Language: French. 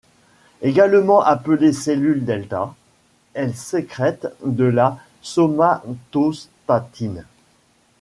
Également appelées cellules Delta, elles sécrètent de la somatostatine.